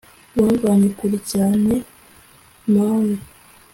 wamvanye kure cyane mawe